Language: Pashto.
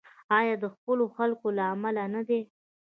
آیا د خپلو خلکو له امله نه دی؟